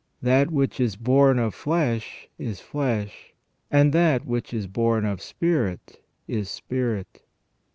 That which is bom of flesh, is flesh ; and that which is born of spirit, is spirit."